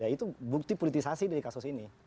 itu bukti politisasi dari kasus ini